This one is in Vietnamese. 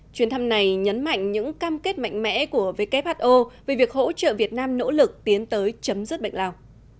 chuyến thăm này nhấn mạnh những cam kết mạnh mẽ của who về việc hỗ trợ việt nam nỗ lực tiến tới chấm dứt bệnh lao